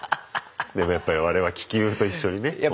でもやっぱり我々は気球と一緒にね同じで。